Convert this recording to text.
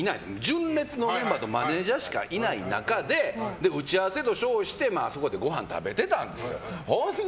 純烈のメンバーとマネジャーしかいない中で打ち合わせと称してあそこでごはん食べてたんですよ。